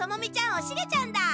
おシゲちゃんだ。